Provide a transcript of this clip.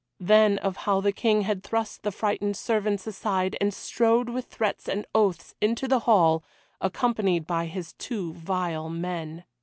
Then of how the King had thrust the frightened servants aside, and strode with threats and oaths into the hall, accompanied by his two vile men.